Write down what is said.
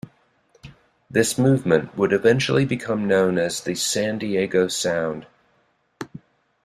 This movement would eventually become known as the "San Diego sound".